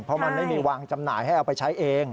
เพราะมันไม่มีวางจำหน่ายให้เอาไปใช้เอง